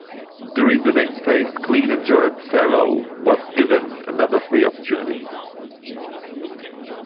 During the next phase, clean and jerk, Faro was given another three opportunities.